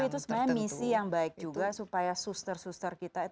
tapi itu sebenarnya misi yang baik juga supaya suster suster kita itu